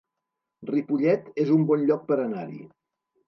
Ripollet es un bon lloc per anar-hi